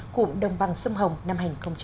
cụm đồng văn sông hồng năm hai nghìn một mươi chín